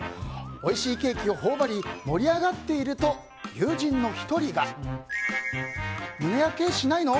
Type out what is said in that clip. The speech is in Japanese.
おいしいケーキを頬張り盛り上がっていると友人の１人が、胸やけしないの？